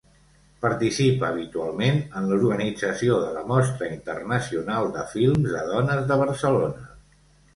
Participa habitualment en l'organització de la Mostra Internacional de Films de Dones de Barcelona.